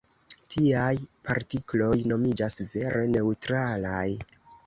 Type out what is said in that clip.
Tiaj partikloj nomiĝas "vere neŭtralaj".